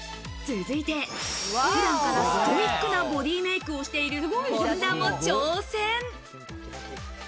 続いて、普段からストイックなボディーメイクをしている本田も挑戦。